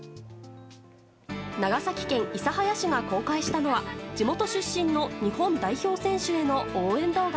長崎県諫早市が公開したのは地元出身の日本代表選手への応援動画。